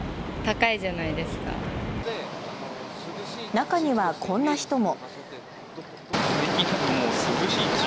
中にはこんな人も。